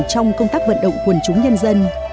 trong công tác vận động quần chúng nhân dân